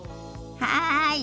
はい！